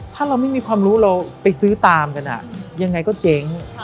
ถ้าเราไม่มีความรู้เราไปซื้อตามกันยังไงก็เจ๊ง